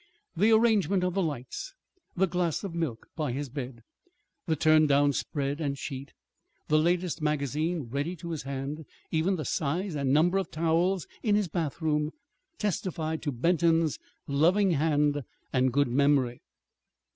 The arrangement of the lights, the glass of milk by his bed, the turned down spread and sheet, the latest magazine ready to his hand even the size and number of towels in his bathroom testified to Benton's loving hand and good memory.